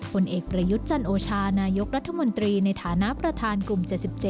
ผลเอกประยุทธ์จันโอชานายกรัฐมนตรีในฐานะประธานกลุ่ม๗๗